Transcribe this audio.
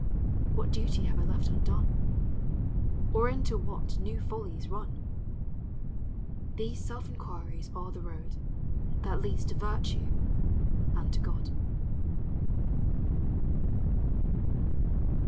What duty have I left undone ? Or into what new follies run? These self inquiries are the road That leads to virtue and to God.